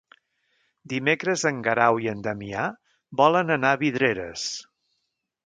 Dimecres en Guerau i en Damià volen anar a Vidreres.